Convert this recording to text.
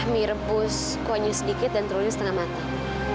mie rebus kuahnya sedikit dan telurnya setengah mateng